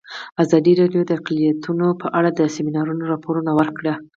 ازادي راډیو د اقلیتونه په اړه د سیمینارونو راپورونه ورکړي.